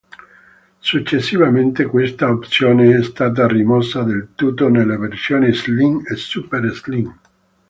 Successivamente questa opzione è stata rimossa del tutto nelle versioni Slim e Super Slim.